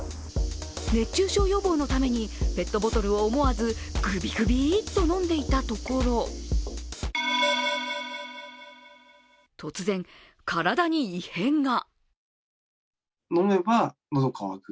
熱中症予防のためにペットボトルを思わずグビグビッと飲んでいたところ、突然、体に異変が。